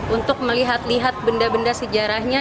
untuk melihat lihat benda benda sejarahnya